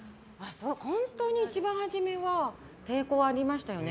本当に一番初めは抵抗ありましたよね。